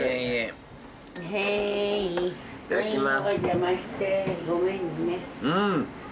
いただきます。